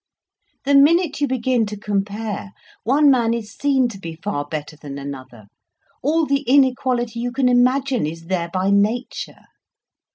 The minute you begin to compare, one man is seen to be far better than another, all the inequality you can imagine is there by nature.